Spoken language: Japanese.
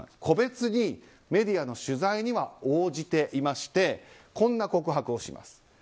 個別にメディアの取材には応じていましてこんな告白をします。